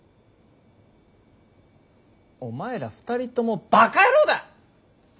お前ら２人ともバカ野郎だ。